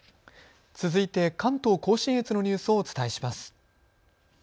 続いて関東甲信越のニュースをお伝えします。